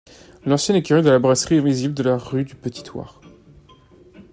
L’ancienne écurie de la brasserie est visible de la rue du Petit-Thouars.